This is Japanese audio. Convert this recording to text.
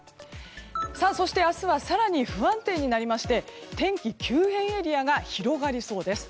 そして明日は更に不安定になりまして天気急変エリアが広がりそうです。